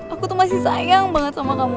aku tuh masih sayang banget sama kamu